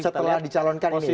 setelah dicalonkan ini ya